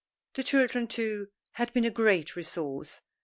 The children, too, had been a great resource.